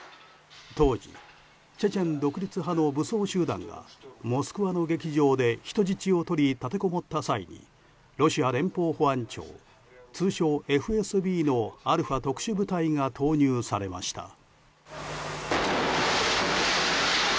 当時、チェチェン独立派の武装集団がモスクワの劇場で人質を取り立てこもった際にロシア連邦保安庁通称ＦＳＢのアルファ特殊部隊が投入されました。